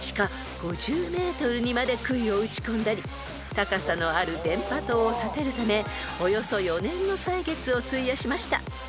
［高さのある電波塔を建てるためおよそ４年の歳月を費やしました］